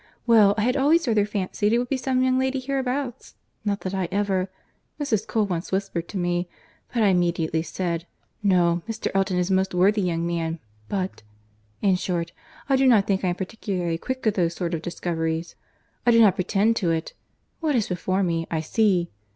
—Well, I had always rather fancied it would be some young lady hereabouts; not that I ever—Mrs. Cole once whispered to me—but I immediately said, 'No, Mr. Elton is a most worthy young man—but'—In short, I do not think I am particularly quick at those sort of discoveries. I do not pretend to it. What is before me, I see.